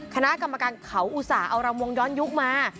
คณะกรรมการเขาอุตส่าห์เอารำวงย้อนยุคมา